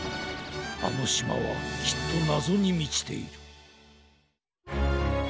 あのしまはきっとなぞにみちている。